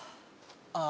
ああ